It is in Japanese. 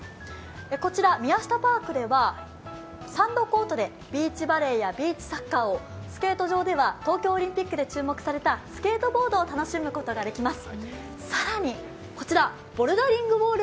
こちら、ミヤシタパークではサンドコートでビーチバレーやビーチサッカーを、スケート場では東京オリンピックで注目されたスケートボードを楽しめます。